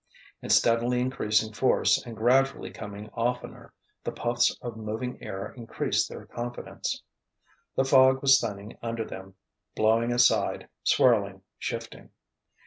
In steadily increasing force, and gradually coming oftener, the puffs of moving air increased their confidence. The fog was thinning under them, blowing aside, swirling, shifting.